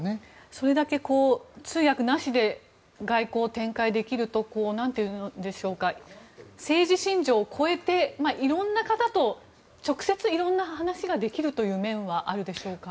それだけ通訳なしで外交を展開できると政治信条を超えて色んな方と直接色んな話をできる面はあるでしょうか。